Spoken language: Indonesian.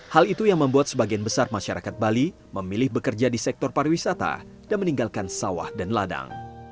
hal itu yang membuat sebagian besar masyarakat bali memilih bekerja di sektor pariwisata dan meninggalkan sawah dan ladang